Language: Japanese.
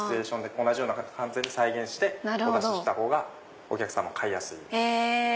同じような形完全に再現してお出しした方がお客さま買いやすい。